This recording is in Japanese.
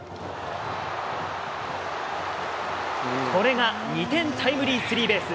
これが２点タイムリースリーベース。